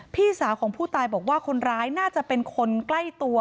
พี่สาวของผู้ตายบอกว่าคนร้ายน่าจะเป็นคนใกล้ตัว